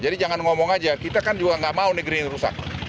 jadi jangan ngomong aja kita kan juga nggak mau negeri ini rusak